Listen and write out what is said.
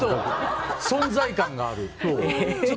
存在感がある。